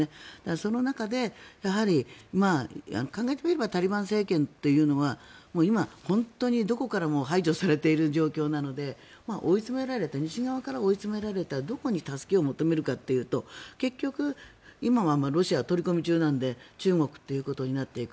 その中で、考えてみればタリバン政権というのは今、本当にどこからも排除されている状況なので西側に追い詰められたどこに助けを求めるかというと結局、今はロシアは取り込み中なので中国ということになっていく。